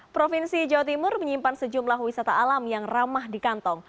provinsi jawa timur menyimpan sejumlah wisata alam yang ramah di kantong